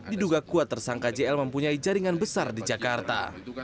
diduga kuat tersangka jl mempunyai jaringan besar di jakarta